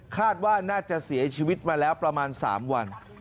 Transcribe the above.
คาดว่าน่าจะเสียชีวิตมาแล้วประมาณ๓วัน